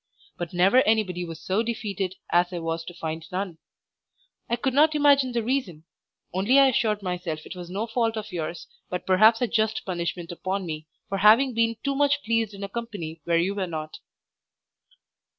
But never anybody was so defeated as I was to find none. I could not imagine the reason, only I assured myself it was no fault of yours, but perhaps a just punishment upon me for having been too much pleased in a company where you were not.